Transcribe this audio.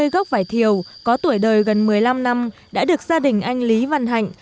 hai mươi gốc vải thiều có tuổi đời gần một mươi năm năm đã được gia đình anh lý văn hạnh